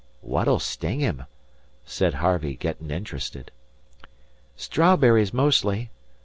"What'll sting him?" said Harvey, getting interested. "Strawberries, mostly.